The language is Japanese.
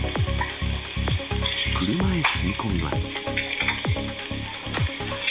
車へ積み込みます。